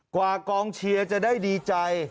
กองเชียร์จะได้ดีใจ